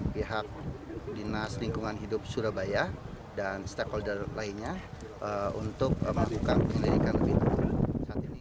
pihak dinas lingkungan hidup surabaya dan stakeholder lainnya untuk melakukan penyelidikan lebih